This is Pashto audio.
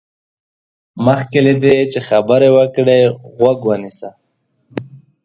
مخکې له دې چې خبرې وکړې، غوږ ونيسه.